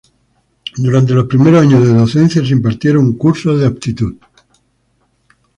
Durante los primeros años de docencia se impartieron Cursos de aptitud.